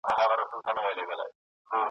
استادان مي زندانونو ته لېږلي `